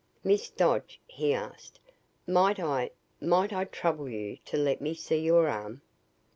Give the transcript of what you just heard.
"Miss Dodge," he asked, "might I might I trouble you to let me see your arm?"